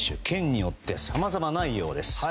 県によってさまざまなようです。